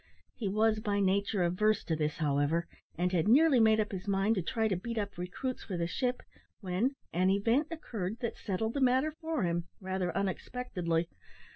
He was by nature averse to this, however; and had nearly made up his mind to try to beat up recruits for the ship, when an event occurred that settled the matter for him rather unexpectedly.